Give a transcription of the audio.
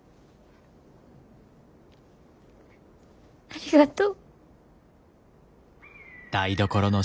ありがとう。